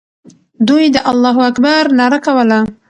دوی د الله اکبر ناره کوله.